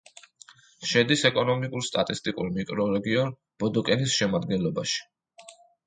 შედის ეკონომიკურ-სტატისტიკურ მიკრორეგიონ ბოდოკენის შემადგენლობაში.